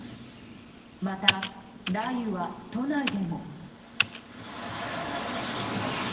また、雷雨は都内でも。